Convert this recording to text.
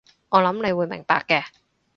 我諗你會明白嘅